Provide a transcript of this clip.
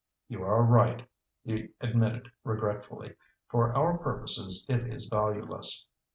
"You are right," he admitted regretfully. "For our purposes it is valueless."